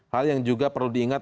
hal yang juga perlu diingat